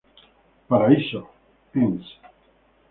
Paraíso, Ens.